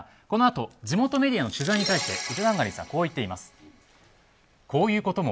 このあと地元メディアの取材に対して